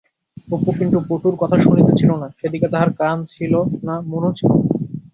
অপু কিন্তু পটুর কথা শুনিতেছিল না, সেদিকে তাহার কান ছিল না-মনও ছিল না।